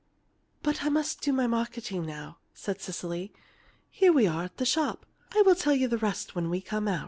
"But I must do my marketing now," said Cecily. "Here we are at the shop. I'll tell you the rest when we come out."